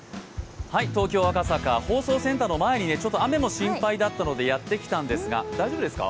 東京・赤坂、放送センターの前ね、雨が心配だったのでやってきたんですが大丈夫ですか？